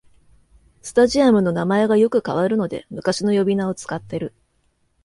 スタジアムの名前がよく変わるので昔の呼び名を使ってる